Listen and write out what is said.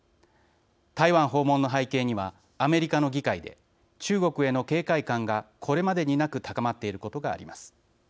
台湾訪問の背景にはアメリカの議会で中国への警戒感がこれまでになく高まっていることがあります。